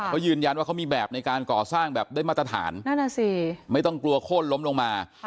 เขายืนยันว่าเขามีแบบในการก่อสร้างแบบได้มาตรฐานนั่นน่ะสิไม่ต้องกลัวโค้นล้มลงมา